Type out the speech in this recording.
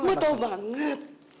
mau tau banget